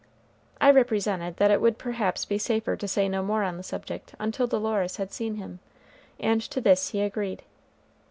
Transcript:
I represented that it would perhaps be safer to say no more on the subject until Dolores had seen him, and to this he agreed.